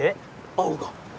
青が。